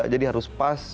jadi harus pas